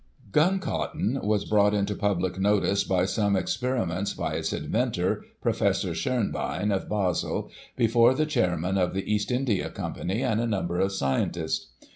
Gun cotton was brought into public notice by some experi ments by its inventor. Professor Schonbein, of Basel, before the chairman of the East India Company, and a number of scientists.